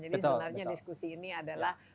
jadi sebenarnya diskusi ini adalah